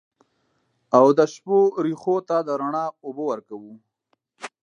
او د شپو رېښو ته د رڼا اوبه ورکوو